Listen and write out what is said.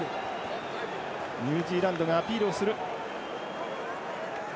ニュージーランドがアピールをする。